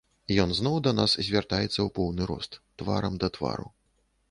Ён зноў да нас звяртаецца ў поўны рост, тварам да твару.